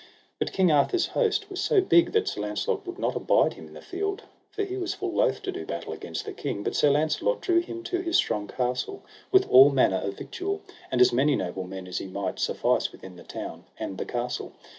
But King Arthur's host was so big that Sir Launcelot would not abide him in the field, for he was full loath to do battle against the king; but Sir Launcelot drew him to his strong castle with all manner of victual, and as many noble men as he might suffice within the town and the castle.